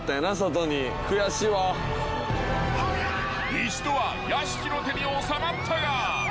［一度は屋敷の手に収まったが］